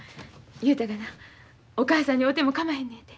雄太がなお母さんに会うてもかまへんのやて。